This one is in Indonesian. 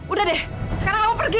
udah deh sekarang kamu pergi